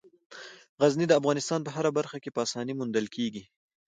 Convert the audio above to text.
غزني د افغانستان په هره برخه کې په اسانۍ موندل کېږي.